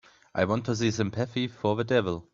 I want to see Sympathy for the Devil